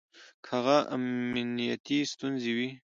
که هغه امنيتي ستونزې وي